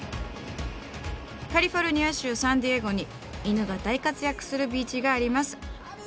カリフォルニア州サンディエゴに犬が大活躍するビーチがあります。